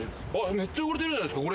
めっちゃ汚れてるじゃないっすか。